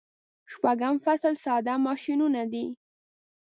شپږم فصل ساده ماشینونه دي.